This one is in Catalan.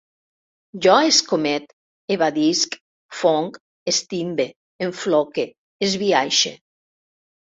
Jo escomet, evadisc, fonc, estimbe, enfloque, esbiaixe